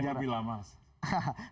tidak lebih lama sih